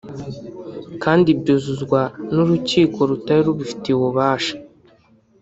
kandi byuzuzwa n’urukiko rutari rubufitiye ububasha